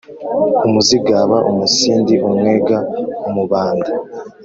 Umuzigaba, Umusindi, Umwega, Umubanda,